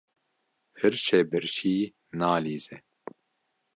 Hirçê birçî nalîze.